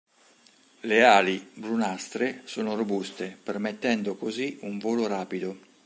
La ali, brunastre, sono robuste, permettendo così un volo rapido.